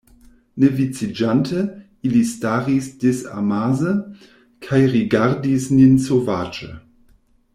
Ne viciĝante, ili staris disamase, kaj rigardis nin sovaĝe.